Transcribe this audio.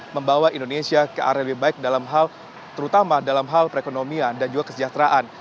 membawa indonesia ke area lebih baik terutama dalam hal perekonomian dan juga kesejahteraan